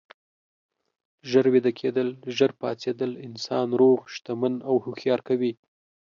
ژر ویده کیدل، ژر پاڅیدل انسان روغ، شتمن او هوښیار کوي.